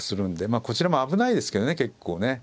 まあこちらも危ないですけどね結構ね。